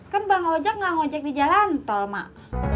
kan bang ojak enggak ngojek di jalan tol mak